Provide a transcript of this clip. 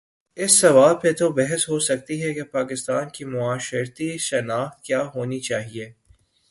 اس سوال پر تو بحث ہو سکتی ہے کہ پاکستان کی معاشرتی شناخت کیا ہو نی چاہیے۔